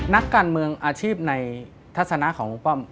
นักการเมืองอาชีพในทัศนะของลุงป้อม